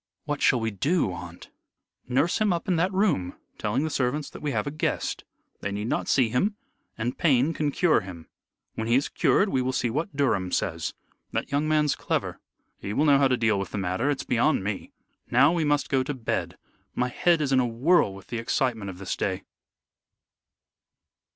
"What shall we do, aunt?" "Nurse him up in that room, telling the servants that we have a guest. They need not see him. And Payne can cure him. When he is cured we will see what Durham says. That young man's clever. He will know how to deal with the matter. It's beyond me. Now we must go to bed. My head is in a whirl with the excitement of this day."